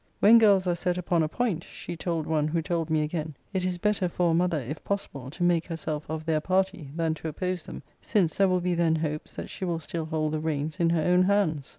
'When girls are set upon a point,' she told one who told me again, 'it is better for a mother, if possible, to make herself of their party, than to oppose them; since there will be then hopes that she will still hold the reins in her own hands.'